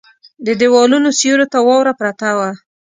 د ديوالونو سيورو ته واوره پرته وه.